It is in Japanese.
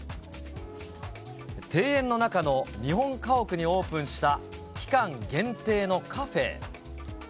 庭園の中の日本家屋にオープンした期間限定のカフェ。